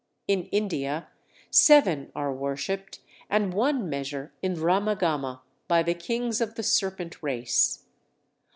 In India seven are worshipped, and one measure in Ramagama, by the kings of the serpent race.